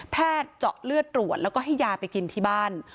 เจาะเลือดตรวจแล้วก็ให้ยาไปกินที่บ้าน